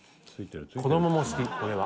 子供も好き、これは。